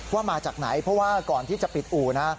ว่ามาจากไหนเพราะว่าก่อนที่จะปิดอู่นะ